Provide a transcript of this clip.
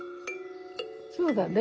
そうだね。